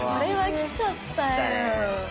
来ちゃったね。